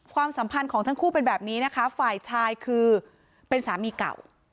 ความสัมพันธ์ของทั้งคู่เป็นแบบนี้นะคะฝ่ายชายคือเป็นสามีเก่า